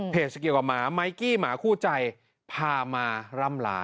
เพจแบบเม้าม๊ายกี้หมาคู่ใจพามาลำลาน๑๕๐๐